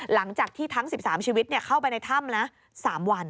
หลังจากที่ทั้ง๑๓ชีวิตเข้าไปในถ้ำนะ๓วัน